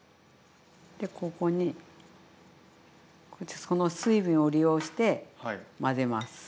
でここにこうやってその水分を利用して混ぜます。